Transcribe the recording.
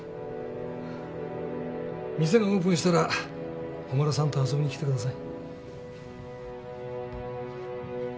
店がオープンしたら誉さんと遊びに来てください。